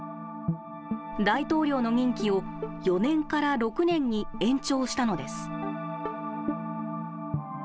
大統領の任期を４年から６年に延長したのです。